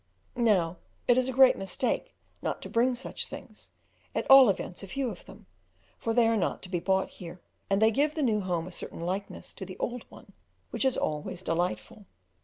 Now it is a great mistake not to bring such things, at all events a few of them, for they are not to be bought here, and they give the new home a certain likeness to the old one which is always delightful.